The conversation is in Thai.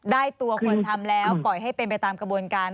ได้ตัวคนทำแล้วปล่อยให้เป็นไปตามกระบวนการ